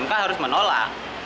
mk harus menolak